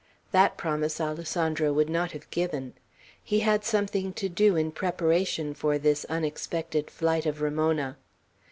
That promise Alessandro would not have given. He had something to do in preparation for this unexpected flight of Ramona.